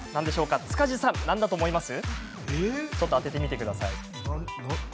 塚地さん、何だと思います？